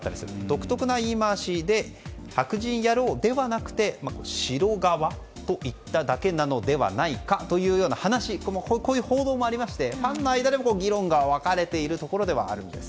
独特の言い回しで白人野郎ではなくて白側と言っただけなのではないかというこういう報道もありましてファンの間でも議論が分かれているところです。